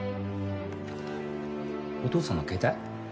お父さんの携帯？